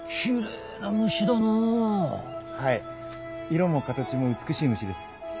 色も形も美しい虫です。